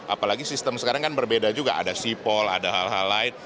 apalagi sistem sekarang kan berbeda juga ada sipol ada hal hal lain